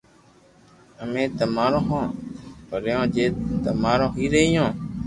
امي تمارو ھون پرڀو جي تمارو ھون رھيو